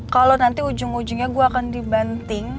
kalau nanti ujung ujungnya gue akan dibanting